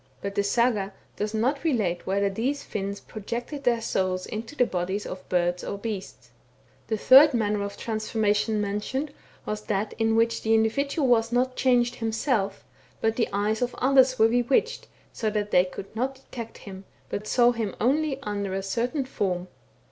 But the Saga does not relate whether these Finns projected their souls into the bodies of birds or beasts. The third manner of transformation mentioned, was that in which the individual was not changed himself, but the eyes of others were bewitched, so that they could not detect him, but saw him only under a certain form.